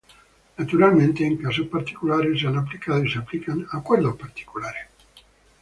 Naturalmente, en casos particulares se han aplicado y se aplican acuerdos particulares.